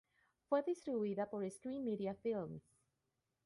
Fue distribuida por Screen Media Films.